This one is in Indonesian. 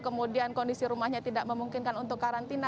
kemudian kondisi rumahnya tidak memungkinkan untuk karantina